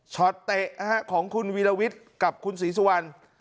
เตะของคุณวีรวิทย์กับคุณศรีสุวรรณ